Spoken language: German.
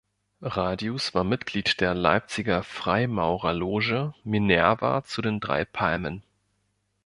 Radius war Mitglied der Leipziger Freimaurerloge "Minerva zu den drei Palmen".